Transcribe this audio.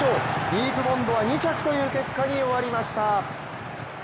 ディープボンドは２着という結果に終わりました。